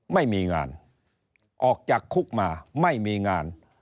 ไม่มีงานออกจากคุกมาไม่มีงาน